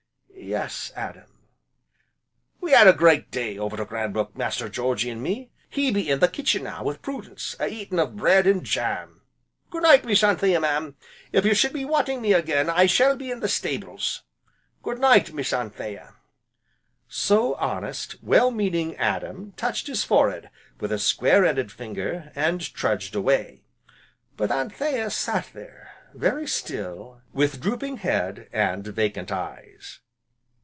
"Yes, Adam." "We 'ad a great day over to Cranbrook, Master Georgy an' me, he be in the kitchen now, wi' Prudence a eating of bread an' jam. Good night, Miss Anthea mam, if you should be wanting me again I shall be in the stables, Good night, Miss Anthea!" So, honest, well meaning Adam touched his forehead with a square ended finger, and trudged away. But Anthea sat there, very still, with drooping head, and vacant eyes.